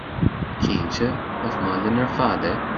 Cinnte, nach maith linn ar fad é?